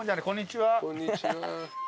こんにちは。